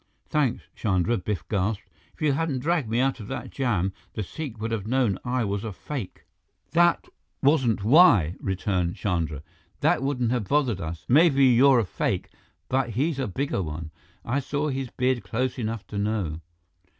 "Thanks, Chandra!" Biff gasped. "If you hadn't dragged me out of that jam, the Sikh would have known I was a fake " "That wasn't why!" returned Chandra. "That wouldn't have bothered us. Maybe you're a fake, but he's a bigger one. I saw his beard close enough to know."